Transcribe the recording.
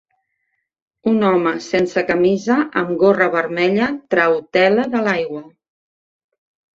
Un home sense camisa amb gorra vermella trau tela de l'aigua.